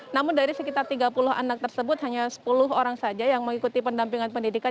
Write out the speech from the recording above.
namun dari sekitar tiga puluh anak tersebut hanya sepuluh orang saja yang mengikuti pendampingan pendidikan